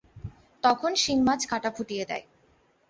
তখন শিং মাছ কাটা ফুটিয়ে দেয়।